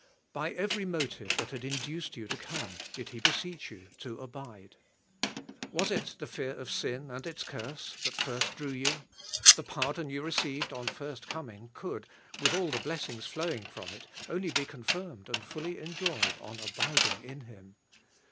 '^ By every motive that had induced you to come, did He beseech you to abide. Was it the fear of sin and its curse that first drew you? the pardon you received on first coming could, with all the blessings flowing from it, only be confirmed and fully enjoyed on abiding in Him.